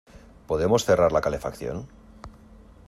¿Podemos cerrar la calefacción?